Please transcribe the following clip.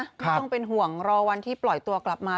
ไม่ต้องเป็นห่วงรอวันที่ปล่อยตัวกลับมา